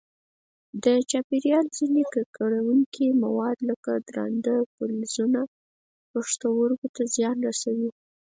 د چاپېریال ځیني ککړونکي مواد لکه درانده فلزونه پښتورګو ته زیان رسوي.